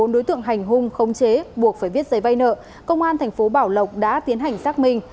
bốn đối tượng hành hung khống chế buộc phải viết giấy vay nợ công an thành phố bảo lộc đã tiến hành xác minh